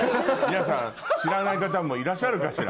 皆さん知らない方もいらっしゃるかしら？